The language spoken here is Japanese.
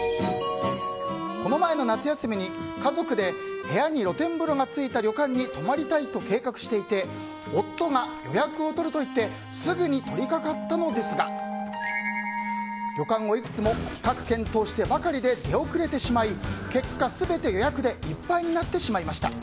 この前の夏休みに、家族で部屋に露天風呂がついた旅館に泊まりたいと計画していて夫が予約を取ると言ってすぐに取り掛かったのですが旅館をいくつも比較・検討してばかりで出遅れてしまい結果、全て予約でいっぱいになってしまいました。